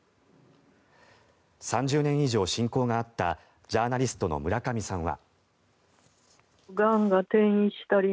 ３０年以上親交があったジャーナリストの村上さんは。